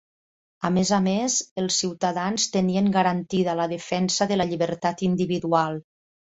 A més a més, els ciutadans tenien garantida la defensa de la llibertat individual.